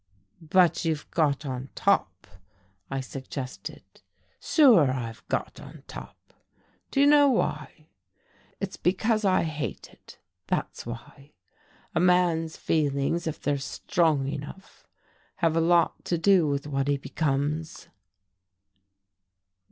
"But you've got on top," I suggested. "Sure, I've got on top. Do you know why? it's because I hated that's why. A man's feelings, if they're strong enough, have a lot to do with what he becomes."